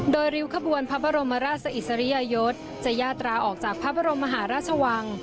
โดยริ้วขบวนพระบรมราชอิสริยยศจะยาตราออกจากพระบรมมหาราชวัง